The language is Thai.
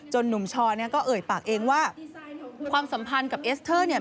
หนุ่มชอเนี่ยก็เอ่ยปากเองว่าความสัมพันธ์กับเอสเตอร์เนี่ย